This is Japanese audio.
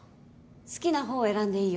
好きな方を選んでいいよ。